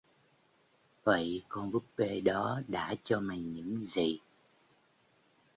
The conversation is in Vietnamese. vậy con búp bê đó đã cho mày những gì